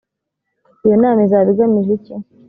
iyo nama izaba igamije iki